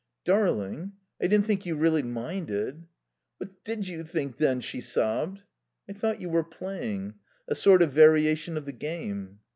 "Darling, I didn't think you really minded " "What d did you th think, then?" she sobbed. "I thought you were playing. A sort of variation of the game."